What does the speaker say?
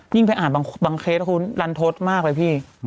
ยิ่งไปอ่านบางเคสคือลันทฤษมากเลยพี่